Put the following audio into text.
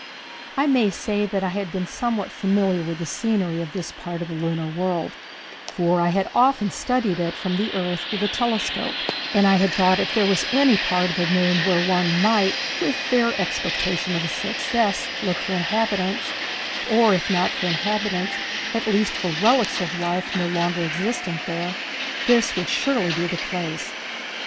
I may say that I had been somewhat familiar with the scenery of this part of the lunar world, for I had often studied it from the earth with a telescope, and I had thought that if there was any part of the moon where one might, with fair expectation of success, look for inhabitants, or if not for inhabitants, at least for relics of life no longer existent there, this would surely be the place.